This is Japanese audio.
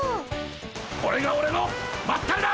これがオレのまったりだ！